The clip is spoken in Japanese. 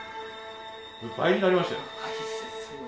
倍になりましたよ。